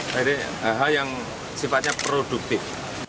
jadi hal yang sifatnya produktif